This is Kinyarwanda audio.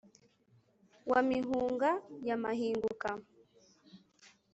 wa mihunga ya mahinguka ,